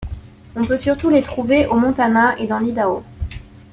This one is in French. On peut surtout les trouver au Montana et dans l'Idaho.